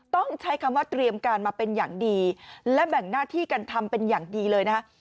ต้องใช้คำว่าเตรียมการมาเป็นอย่างดีและแบ่งหน้าที่กันทำเป็นอย่างดีเลยนะคะ